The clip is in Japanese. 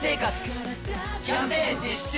キャンペーン実施中！